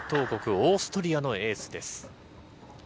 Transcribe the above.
オーストリアのエースです。